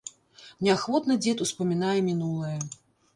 Неахвотна дзед успамінае мінулае.